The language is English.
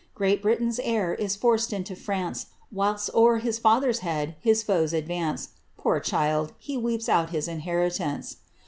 Great'Britain's heir is forced into France, Whilst o^er his father's head his foes advance : Poor child, he weeps out his inheritance